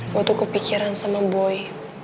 gue tuh kepikiran sama boy